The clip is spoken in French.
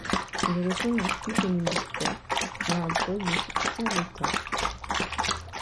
Il retourne ensuite au ministère, à un poste de secrétaire d'État.